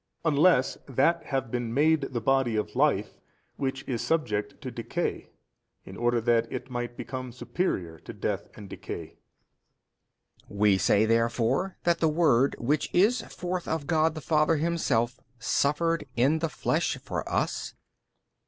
unless that have been made the body of Life which is subject to decay in order that it might become superior to death and decay? B. We say therefore that the Word which is forth of God the Father Himself suffered in the flesh for us?